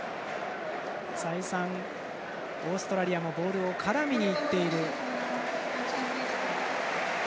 再三、オーストラリアもボールに絡みにいっている。